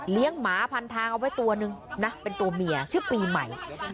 หมาพันทางเอาไว้ตัวนึงนะเป็นตัวเมียชื่อปีใหม่